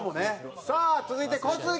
さあ続いて小杉！